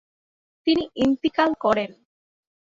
তিনি ইনতিকাল করেন।